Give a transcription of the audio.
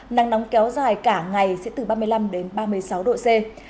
nắng nóng kéo dài cả ngày sẽ từ ba mươi năm đến ba mươi sáu độ c